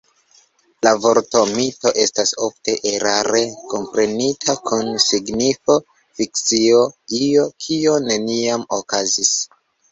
La vorto mito estas ofte erare komprenita kun signifo fikcio, io kio neniam okazis.